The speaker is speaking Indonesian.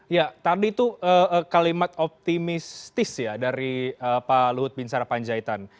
ya tadi itu kalimat optimistis ya dari pak luhut bin sarapanjaitan